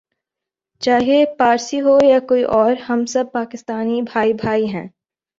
چاہے پارسی ہو یا کوئی اور ہم سب پاکستانی بھائی بھائی ہیں